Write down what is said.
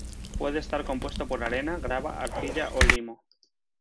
Puede estar compuesto por arena, grava, arcilla o limo.